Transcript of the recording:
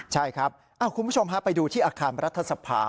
ใช่ครับคุณผู้ชมฮะไปดูที่อาคารรัฐสภา